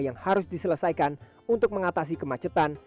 yang harus diselesaikan untuk mengatasi kemacetan